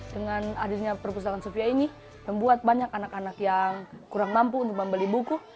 dengan hadirnya perpustakaan sufia ini membuat banyak anak anak yang kurang mampu untuk membeli buku